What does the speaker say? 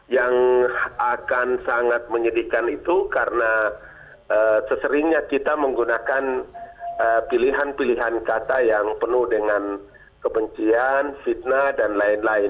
yang akan sangat menyedihkan itu karena seseringnya kita menggunakan pilihan pilihan kata yang penuh dengan kebencian fitnah dan lain lain